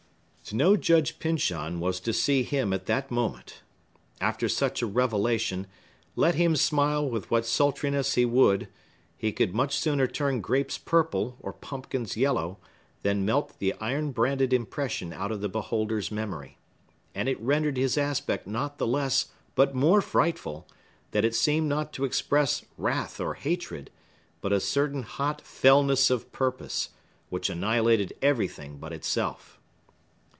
To know Judge Pyncheon was to see him at that moment. After such a revelation, let him smile with what sultriness he would, he could much sooner turn grapes purple, or pumpkins yellow, than melt the iron branded impression out of the beholder's memory. And it rendered his aspect not the less, but more frightful, that it seemed not to express wrath or hatred, but a certain hot fellness of purpose, which annihilated everything but itself.